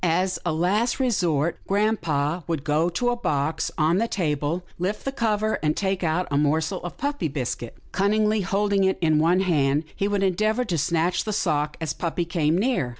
As a last resort, grampa would go to a box on the table, lift the cover, and take out a morsel of puppy biscuit. Cunningly holding it in one hand, he would endeavour to snatch the sock, as puppy came near.